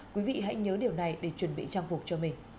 quý vị hãy nhớ điều này để chuẩn bị trang phục cho mình